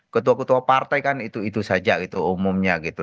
ketua ketua partai kan itu itu saja gitu umumnya gitu